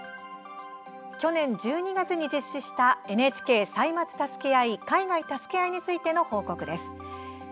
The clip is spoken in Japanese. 去年１２月に実施した「ＮＨＫ歳末たすけあい海外たすけあい」についての報告です。